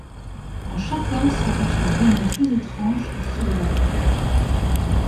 En chaque homme se cache un démon plus étrange que ceux de l'enfer.